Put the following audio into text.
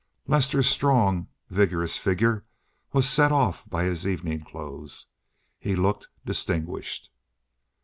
Lester's strong, vigorous figure was well set off by his evening clothes, he looked distinguished.